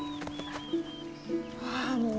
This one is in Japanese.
ああもう。